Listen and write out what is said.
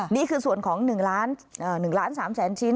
นี่คือส่วนของหนึ่งล้านหนึ่งล้านสามแสนชิ้น